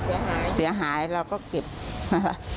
เสียหายเสียหายเราก็เก็บนะคะ